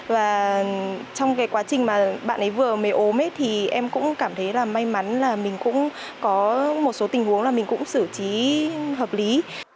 và trong cái quá trình mà bạn ấy vừa mê ốm thì em cũng cảm thấy là may mắn là mình cũng có một số tình huống là mình cũng sử trí hợp lý